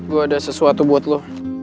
gue ada sesuatu buat lo